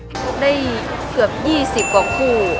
ชกได้เกือบ๒๐กว่าคู่